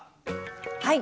はい。